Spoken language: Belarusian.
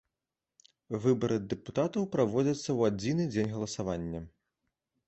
Выбары дэпутатаў праводзяцца ў адзіны дзень галасавання.